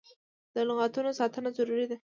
د لغتانو ساتنه ضروري ده.